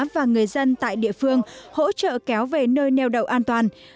và người dân tại địa phương hỗ trợ kéo về nơi neo đậu an toàn